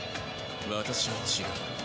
私は違う。